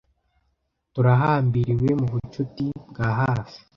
Turahambiriwe ku bucuti bwa hafi.